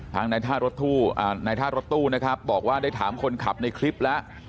ทางนายท่ารถตู้นายท่ารถตู้นะครับบอกว่าได้ถามคนขับในคลิปแล้ว